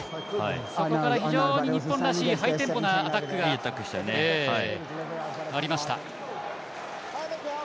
そこから非常に日本らしいハイテンポなアタックがありました。